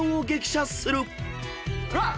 うわっ！